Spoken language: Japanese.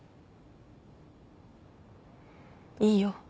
いいよ。